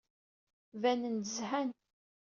Banen-d zhan.